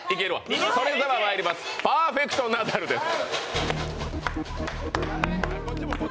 それではまいります、「パーフェクトナダル」です。